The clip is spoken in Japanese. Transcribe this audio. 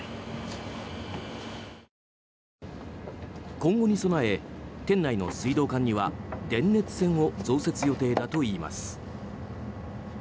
今後に備え、店内の水道管には電熱線を増設予定だといいます。